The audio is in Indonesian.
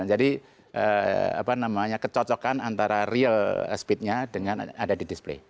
jadi apa namanya kecocokan antara real speednya dengan ada di display